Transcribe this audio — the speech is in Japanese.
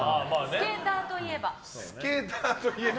スケーターといえば？